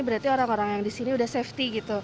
berarti orang orang yang di sini sudah safety